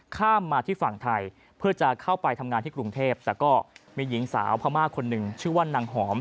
ข้ามมาที่ฝั่งไทยเพื่อจะเข้าไปทำงานที่กรุงเทพแต่ก็มีหญิงสาวพม่าคนหนึ่งชื่อว่านางหอม